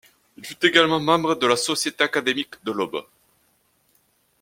Il fut également membre de la Société académique de l'Aube.